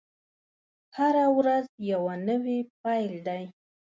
هره ورځ یوه نوې پیل دی.